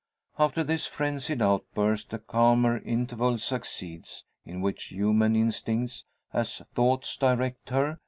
After this frenzied outburst a calmer interval succeeds; in which human instincts as thoughts direct her.